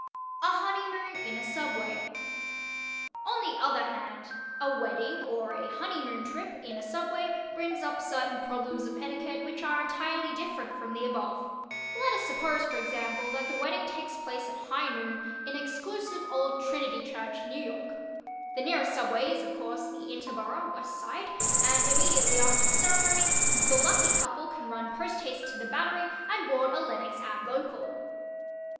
A HONEYMOON IN A SUBWAY On the other hand, a wedding or a "honeymoon" trip in a subway brings up certain problems of etiquette which are entirely different from the above. Let us suppose, for example, that the wedding takes place at high noon in exclusive old "Trinity" church, New York. The nearest subway is of course the "Interborough" (West Side) and immediately after the ceremony the lucky couple can run poste haste to the "Battery" and board a Lenox Ave. Local.